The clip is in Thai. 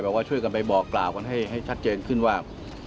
ว่าช่วยกันไปบอกกล่าวกันให้ชัดเจนขึ้นว่า